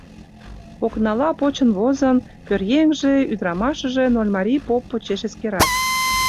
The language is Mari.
Окнала почын возын, пӧръеҥже, ӱдырамашыже Нольмарий поп почеш эскерат.